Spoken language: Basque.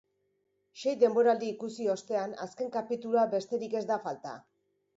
Sei denboraldi ikusi ostean, azken kapitulua besterik ez da falta.